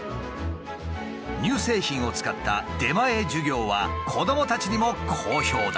乳製品を使った「出前授業」は子どもたちにも好評だ。